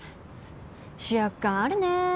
主役感あるね。